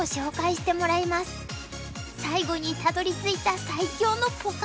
最後にたどりついた最強のポカ